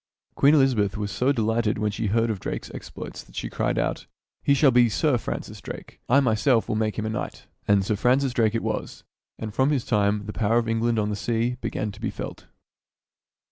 Queen Elizabeth was so delighted when she heard of Drake's exploits that she cried out, " He shall be Sir Francis Drake. I myself will make, him a knight." And Sir Francis Drake it was ; and from his time the power of England on the sea began to be felt.